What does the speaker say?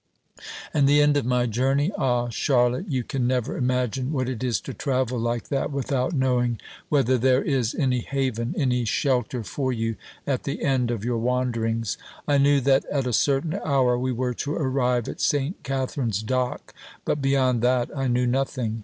And the end of my journey? Ah, Charlotte, you can never imagine what it is to travel like that, without knowing whether there is any haven, any shelter for you at the end of your wanderings! I knew that at a certain hour we were to arrive at St. Katharine's Dock, but beyond that I knew nothing.